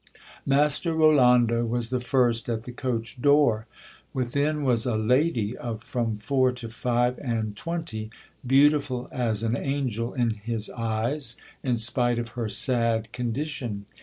Master Rolando was the first at the coach door. Within was a lady of from four to five and twenty, beautiful as an angel in his eyes, in spite of her sad con dition.